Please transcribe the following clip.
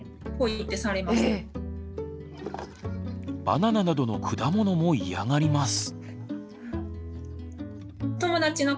バナナなどの果物も嫌がります。